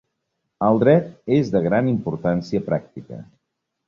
El dret és de gran importància pràctica.